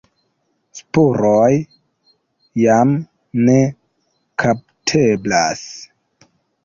Spuroj jam ne kapteblas.